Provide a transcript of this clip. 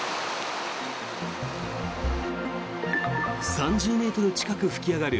３０ｍ近く噴き上がる